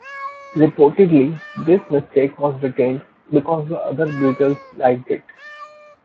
Reportedly, this mistake was retained because the other Beatles liked it.